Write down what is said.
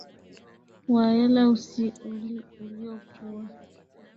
wa hela usi uli uliokuwa